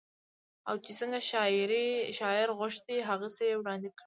او چې څنګه شاعر غوښتي هغسې يې وړاندې کړې